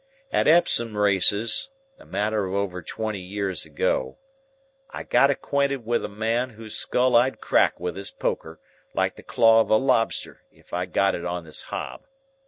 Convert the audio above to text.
"At Epsom races, a matter of over twenty years ago, I got acquainted wi' a man whose skull I'd crack wi' this poker, like the claw of a lobster, if I'd got it on this hob.